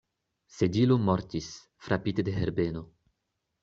Sedilo mortis, frapite de Herbeno.